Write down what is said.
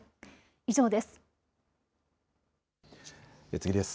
以上です。